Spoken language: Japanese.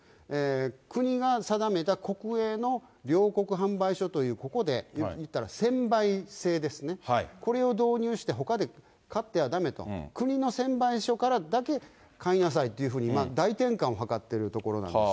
国が定めた国営の糧穀販売所という、ここで、いったら専売制ですね、これを導入して、ほかで買ってはだめと、国の専売所からだけ買いなさいっていうふうに今、大転換を図ってるところなんです。